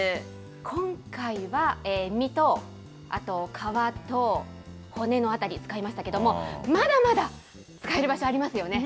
今回は、身とあと皮と骨の辺り、使いましたけれども、まだまだ使える場所ありますよね。